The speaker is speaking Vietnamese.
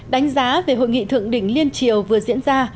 đánh giá về hội nghị thượng đỉnh liên triều vừa diễn ra